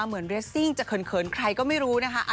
เหมือนเรสซิ่งจะเขินใครก็ไม่รู้นะคะ